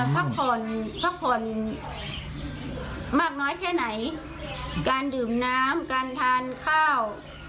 พักผ่อนพักผ่อนมากน้อยแค่ไหนการดื่มน้ำการทานข้าว